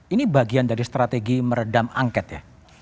ini bagian dari strategi meredam angket ya